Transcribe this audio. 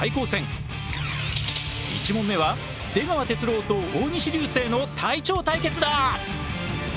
一問目は出川哲朗と大西流星の隊長対決だ！